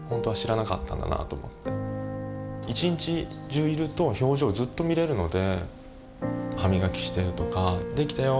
一日中いると表情をずっと見れるので歯磨きしてるとか「できたよ